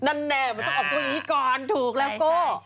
นั่นแน่มันต้องออกตัวอย่างนี้ก่อนถูกแล้วก็